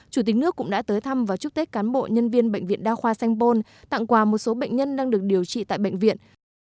chủ tịch nước cũng đã tới thăm và chúc tết cán bộ nhân viên bệnh viện đa khoa sanh pôn tặng quà một số bệnh nhân đang được điều trị tại bệnh viện